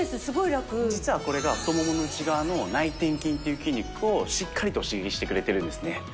実はこれが太ももの内側の内転筋という筋肉をしっかりと刺激してくれているんですね。